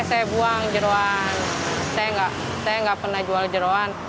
saya buang jeruan saya nggak pernah jual jeruan